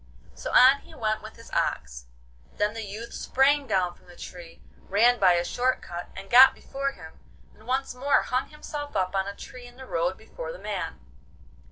So on he went with his ox. Then the youth sprang down from the tree, ran by a short cut and got before him, and once more hung himself up on a tree in the road before the man.